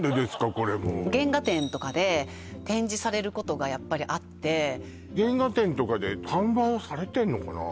これもう原画展とかで展示されることがやっぱりあって原画展とかで販売はされてるのかな？